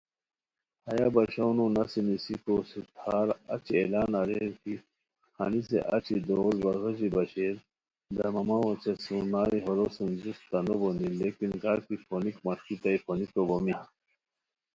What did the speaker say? ہیہ باشونو نسی نیسیکو ستھار اچی اعلان اریر کی، ہنیسے اچی دول وا غیژی باشئیر، دمامہ اوچے سرنائے ہورو سُم جوستہ نوبونی، لیکن کاکی پھونیک مݰکیتامی پھونیکو بومی